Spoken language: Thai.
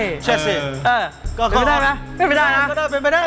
เป็นไกลป่ะไม่เป็นไกลยนะ